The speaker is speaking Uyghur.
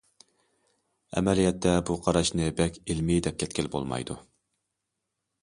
ئەمەلىيەتتە، بۇ قاراشنى بەك ئىلمىي دەپ كەتكىلى بولمايدۇ.